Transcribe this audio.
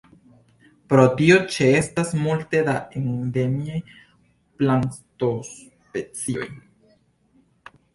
Pro tio ĉeestas multe da endemiaj plantospecioj.